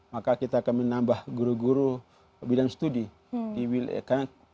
maka kita akan menambah guru guru bidang studi di wilayah kami